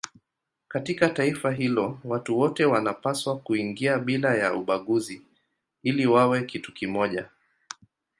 Katika taifa hilo watu wote wanapaswa kuingia bila ya ubaguzi ili wawe kitu kimoja.